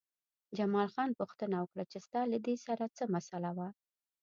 جمال خان پوښتنه وکړه چې ستا له دې سره څه مسئله وه